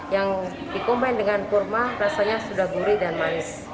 yang dikomen dengan kurma rasanya sudah gurih dan manis